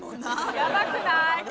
やばくない？感謝。